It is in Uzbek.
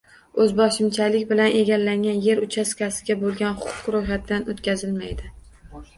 Oʼzboshimchalik bilan egallangan yer uchastkasiga boʼlgan huquq roʼyxatdan oʼtkazilmaydi.